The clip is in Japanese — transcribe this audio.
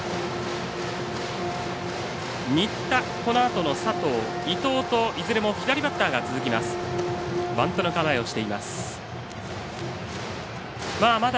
新田、このあとの佐藤、伊藤といずれも左バッターが続きます。